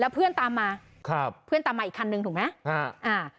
เพื่อนตามมาครับเพื่อนตามมาอีกคันนึงถูกไหมฮะอ่า